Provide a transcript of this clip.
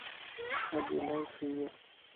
اڄ الائي سي ا